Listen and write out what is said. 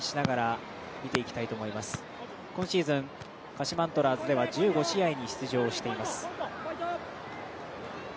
今シーズン鹿島アントラーズでは１５試合に出場しています。